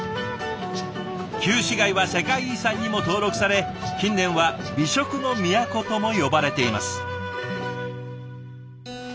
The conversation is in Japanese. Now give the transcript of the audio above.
旧市街は世界遺産にも登録され近年は美食の都とも呼ばれています。